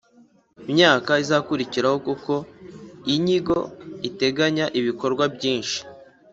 Myaka izakurikiraho kuko inyigo iteganya ibikorwa byinshi